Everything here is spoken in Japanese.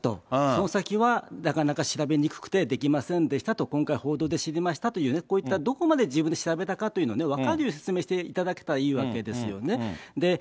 その先はなかなか調べにくくてできませんでしたと、今回、報道で知りましたというね、こういったどこまで自分で調べたかっていうのを分かるように説明していただけたらいいわけですよね。